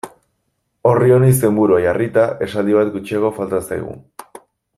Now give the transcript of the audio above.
Orri honi izenburua jarrita, esaldi bat gutxiago falta zaigu.